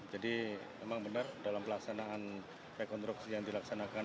jadi memang benar dalam pelaksanaan rekonstruksi yang dilaksanakan